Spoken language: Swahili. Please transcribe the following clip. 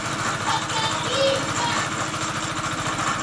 Mafuta ya kupikia kiasi tu